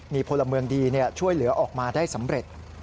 มีพลเมืองดีช่วยเหลือออกมาได้สำเร็จ